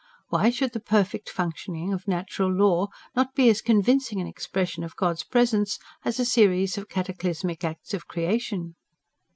Why should the perfect functioning of natural law not be as convincing an expression of God's presence as a series of cataclysmic acts of creation?